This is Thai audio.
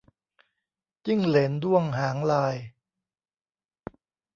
จิ้งเหลนด้วงหางลาย